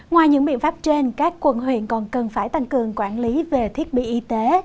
ngoài những biện pháp trên các quận huyện còn cần phải tăng cường quản lý về thiết bị y tế